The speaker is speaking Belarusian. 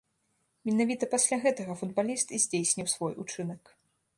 Менавіта пасля гэтага футбаліст і здзейсніў свой учынак.